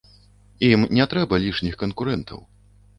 Ім не трэба лішніх канкурэнтаў.